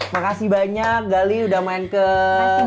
makasih banyak gali udah main ke